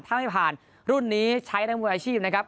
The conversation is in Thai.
ถ้าไม่ผ่านรุ่นนี้ใช้นักมวยอาชีพนะครับ